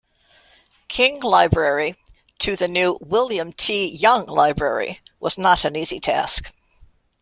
King Library to the new "William T. Young Library" was not an easy task.